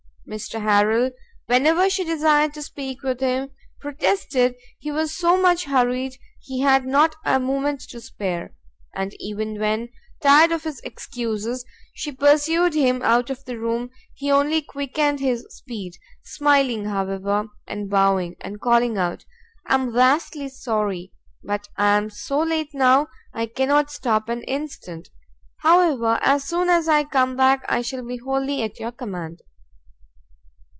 Mr. Harrel, whenever she desired to speak with him, protested he was so much hurried he had not a moment to spare: and even when, tired of his excuses, she pursued him out of the room, he only quickened his speed, smiling, however, and bowing, and calling out "I am vastly sorry, but I am so late now I cannot stop an instant; however, as soon as I come back, I shall be wholly at your command."